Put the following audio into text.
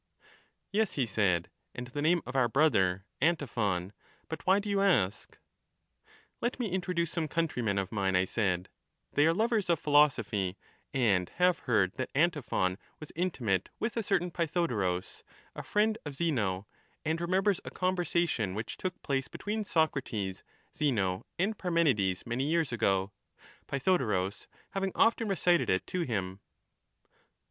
Yes, he said, and the name of our brother, Antiphon ; but why do you ask ? Let me introduce some countr3rmen of mine, I said ; they are lovers of philosophy, and have heard that Antiphon was intimate with a certain Pjrthodorus, a friend of Zeno, and remembers a conversation which took place between Socrates, Zeno, and Parmenides many years ago, Pythodorus having often recited it to him.